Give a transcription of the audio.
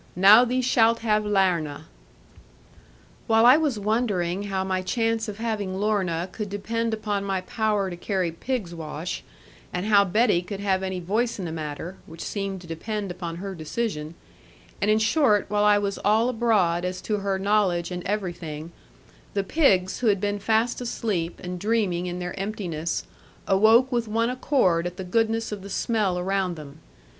Now thee shalt have Larna.' While I was wondering how my chance of having Lorna could depend upon my power to carry pig's wash, and how Betty could have any voice in the matter (which seemed to depend upon her decision), and in short, while I was all abroad as to her knowledge and everything, the pigs, who had been fast asleep and dreaming in their emptiness, awoke with one accord at the goodness of the smell around them.